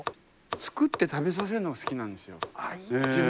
作って食べさせるのが好きなんですよ。